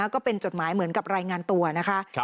ก็เป็นจดหมายเหมือนกับรายงานตัวนะคะ